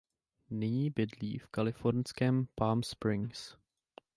Nyní bydlí v kalifornském Palm Springs.